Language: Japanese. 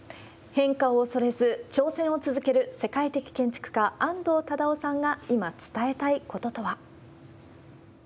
変化を恐れず、挑戦を続ける世界的建築家、安藤忠雄さんが今、伝えたいこととは。